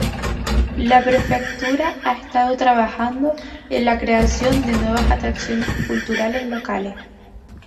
La prefectura ha estado trabajando en la creación de nuevas atracciones culturales locales.